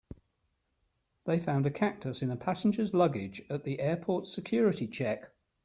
They found a cactus in a passenger's luggage at the airport's security check.